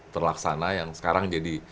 terlaksana yang sekarang jadi